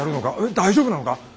大丈夫なのか？